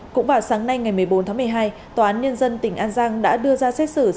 cũng vào sáng nay ngày một mươi bốn tháng một mươi hai tòa án nhân dân tỉnh an giang đã đưa ra xét xử